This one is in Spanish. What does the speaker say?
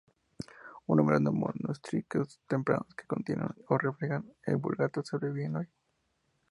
Un número de manuscritos tempranos que contienen o reflejan la Vulgata sobreviven hoy.